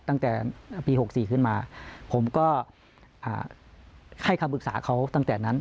ตั้งแต่ปี๖๔ขึ้นมาผมก็ให้คำปรึกษาเขาตั้งแต่นั้น